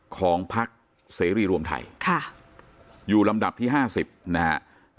ของพักเสรีรวมไทยค่ะอยู่ลำดับที่ห้าสิบนะฮะ